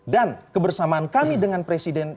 dan kebersamaan kami dengan presiden